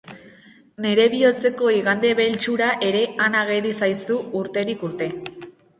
Nere bihotzeko igandebeltx hura ere han ageri zaizu urterik urte.